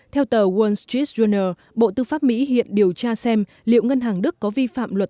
theo tờ wall street journal bộ tư pháp mỹ hiện điều tra xem liệu ngân hàng đức có vi phạm luật